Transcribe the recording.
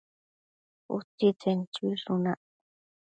Utsitsen chuishunac